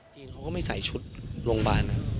เขาก็ไม่ใส่ชุดโรงพยาบาลนะ